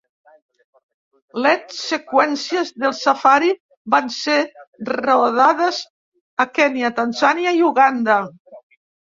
Led seqüències del safari van ser rodades a Kenya, Tanzània, i Uganda.